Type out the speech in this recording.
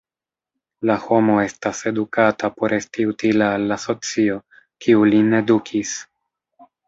La homo estas edukata por esti utila al la socio, kiu lin edukis.